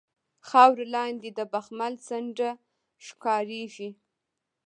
خاورو لاندې د بخمل څنډه ښکاریږي